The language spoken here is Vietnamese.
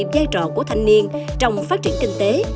giai trò của thanh niên trong phát triển kinh tế